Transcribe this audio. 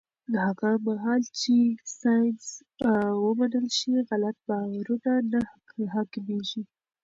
هغه مهال چې ساینس ومنل شي، غلط باورونه نه حاکمېږي.